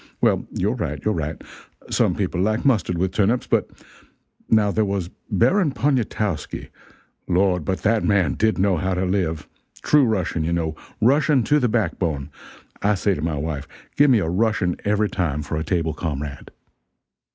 Well, you're right, you're right. Some people like mustard with turnips, but now there was Baron Poniatowski Lord, but that man did know how to live! true Russian you know, Russian to the back bone; I say to my wife, give me a Russian every time, for a table comrade.